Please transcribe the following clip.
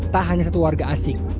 tak hanya satu warga asing